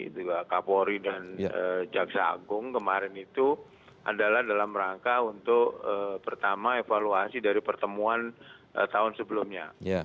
juga kapolri dan jaksa agung kemarin itu adalah dalam rangka untuk pertama evaluasi dari pertemuan tahun sebelumnya